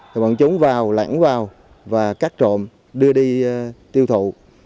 thì bọn chúng vào lãnh vào và cắt trộm đưa đi tiêu thụ